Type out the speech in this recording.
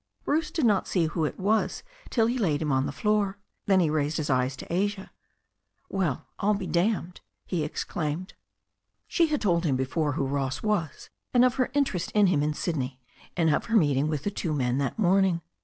Bruce did not see who it was till he laid him on the floor. Then he raised his eyes to Asia. "Well, ril be damned !" he exclaimed. She had told him before who Ross was, and of her in terest in him in Sydney, and of her meeting with the two men that morning.